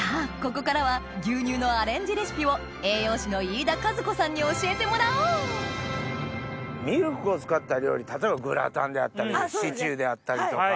ここからは牛乳のアレンジレシピをに教えてもらおうミルクを使った料理例えばグラタンであったりシチューであったりとか。